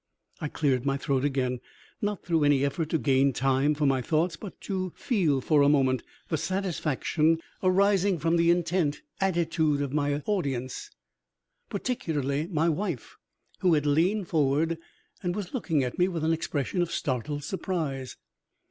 I cleared my throat again, not through any effort to gain time for my thoughts, but to feel for a moment the satisfaction arising from the intent attitude of my audience, particularly my wife, who had leaned forward and was looking at me with an expression of startled surprise.